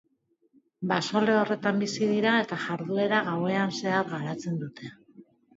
Baso lehorretan bizi dira eta jarduera gauean zehar garatzen dute.